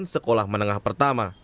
sekolah menengah pertama